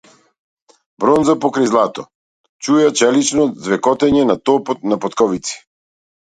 Бронза покрај злато чуја челично ѕвекотење на топот на потковици.